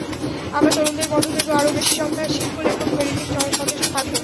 আমরা তরুণদের মধ্য থেকে আরও বেশি সংখ্যা শিল্প-লেখক তৈরিতে সচেষ্ট থাকব।